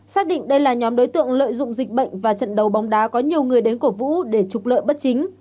xác định đây là nhóm đối tượng lợi dụng dịch bệnh và trận đấu bóng đá có nhiều người đến cổ vũ để trục lợi bất chính